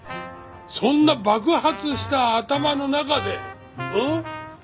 そんな爆発した頭の中でん？